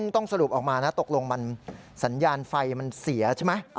ต้องสรุปออกมานะตกลงมันสัญญาณไฟมันเสียใช่ไหม